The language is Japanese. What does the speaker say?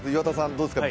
どうですか？